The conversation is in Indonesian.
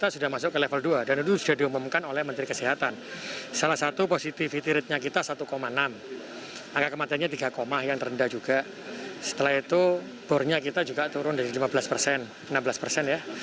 setelah itu bornya kita juga turun dari lima belas persen enam belas persen ya